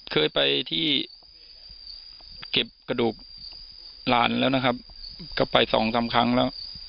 เคยไปที่เก็บกระดูกหลานแล้วนะครับก็ไปสองสามครั้งแล้ว